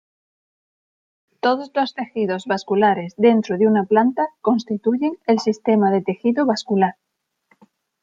Todos los tejidos vasculares dentro de una planta constituyen el sistema de tejido vascular.